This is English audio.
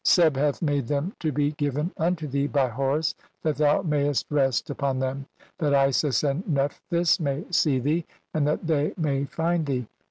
Seb hath made "them to be given unto thee by Horus that thou may "est rest upon them, that Isis and Nephthys may see "thee, and that they may find thee.